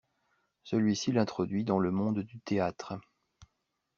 Celui-ci l'introduit dans le monde du théâtre.